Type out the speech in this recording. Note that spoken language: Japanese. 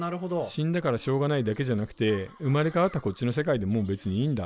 死んだからしょうがないだけじゃなくて生まれ変わったこっちの世界でもう別にいいんだ。